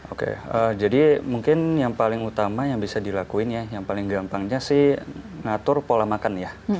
oke jadi mungkin yang paling utama yang bisa dilakuin ya yang paling gampangnya sih ngatur pola makan ya